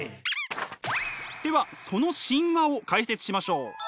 ではその神話を解説しましょう。